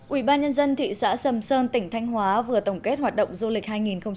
ủy ban nhân dân thị xã sầm sơn tỉnh thanh hóa vừa tổng kết hoạt động du lịch hai nghìn một mươi chín